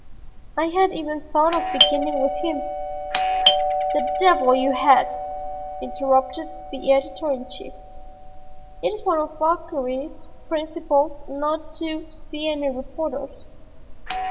I had even thought of beginning with him." "The devil you had!" interrupted the editor in chief. "It is one of Fauchery's principles not to see any reporters.